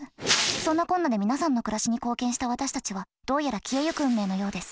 そんなこんなで皆さんの暮らしに貢献した私たちはどうやら消えゆく運命のようです。